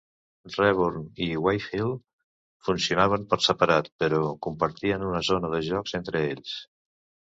Raeburn i Weyhill funcionaven per separat, però compartien una zona de jocs entre ells.